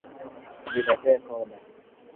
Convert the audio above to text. Niletee soda